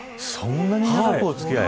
そんなに長い付き合い。